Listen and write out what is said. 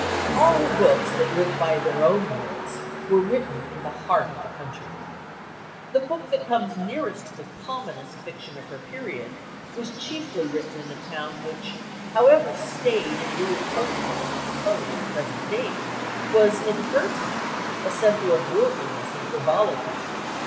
All her books that live by their own merits were written in the heart of the country. The book that comes nearest to the commonest fiction of her period was chiefly written in a town which, however staid and irreproachable in its tone at the present date, was in her time a centre of worldliness and frivolity.